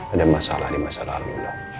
ada masalah di masa lalu